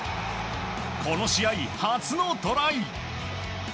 この試合初のトライ！